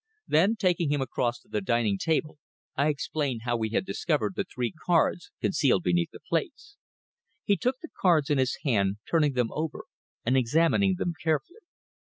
Then taking him across to the dining table I explained how we had discovered the three cards concealed beneath the plates. He took the cards in his hand, turning them over, and examining them carefully.